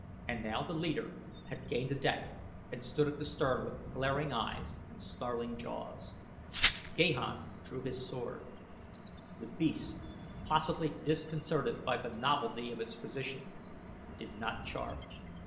And now the leader had gained the deck and stood at the stern with glaring eyes and snarling jaws. Gahan drew his sword. The beast, possibly disconcerted by the novelty of its position, did not charge.